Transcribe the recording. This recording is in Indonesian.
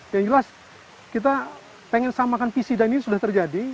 yang jelas kita pengen samakan visi dan ini sudah terjadi